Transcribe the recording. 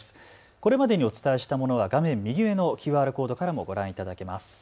これまでにお伝えしたものは画面右上のＱＲコードからもご覧いただけます。